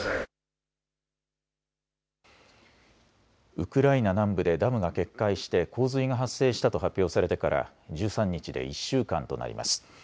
ウクライナ南部でダムが決壊して洪水が発生したと発表されてから１３日で１週間となります。